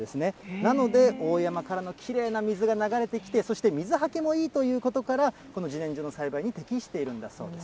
なので、大山からのきれいな水が流れてきて、そして水はけもいいということから、このじねんじょの栽培に適しているんだそうです。